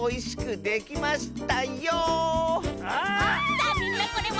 さあみんなこれは？